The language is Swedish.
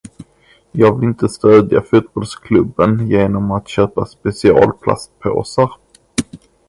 Jag vill inte stödja fotbollsklubben genom att köpa speciella plastpåsar.